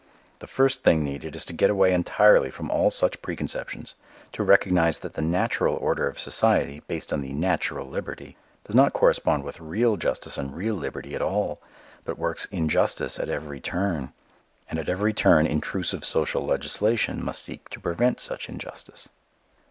The first thing needed is to get away entirely from all such preconceptions, to recognize that the "natural" order of society, based on the "natural" liberty, does not correspond with real justice and real liberty at all, but works injustice at every turn. And at every turn intrusive social legislation must seek to prevent such injustice.